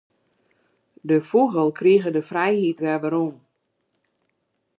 De fûgel krige de frijheid wer werom.